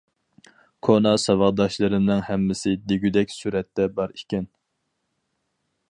كونا ساۋاقداشلىرىمنىڭ ھەممىسى دېگۈدەك سۈرەتتە بار ئىكەن.